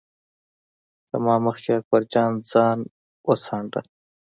له ما نه مخکې اکبر جان ځان وڅانډه.